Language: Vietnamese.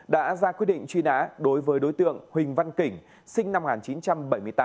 đã ra quyết định truy nã đối với đối tượng huỳnh văn kỉnh sinh năm một nghìn chín trăm bảy mươi tám